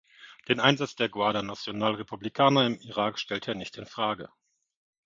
Den Einsatz der Guarda Nacional Republicana im Irak stellte er nicht in Frage.